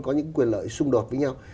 có những quyền lợi xung đột với nhau